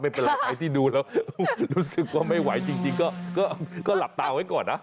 ไม่เป็นไรใครที่ดูแล้วรู้สึกว่าไม่ไหวจริงก็หลับตาไว้ก่อนนะ